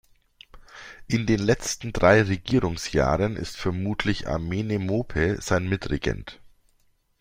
In den letzten drei Regierungsjahren ist vermutlich Amenemope sein Mitregent.